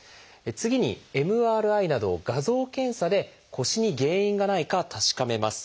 次に「ＭＲＩなど画像検査」で腰に原因がないか確かめます。